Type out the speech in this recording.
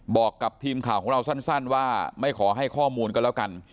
บอกกับทีมข่าวของเราสั้นว่าไม่ขอให้ข้อมูลก็แล้วกัน